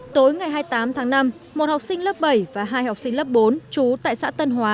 tối ngày hai mươi tám tháng năm một học sinh lớp bảy và hai học sinh lớp bốn trú tại xã tân hóa